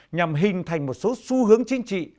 nhằm hình thành một số xu hướng chính trị